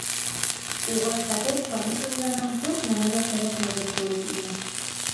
Уға хәҙер фани донъянан бер нәмә лә кәрәкмәйҙер кеүек ине.